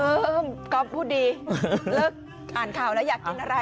ก๊อฟพูดดีเลิกอ่านข่าวแล้วอยากกินอะไร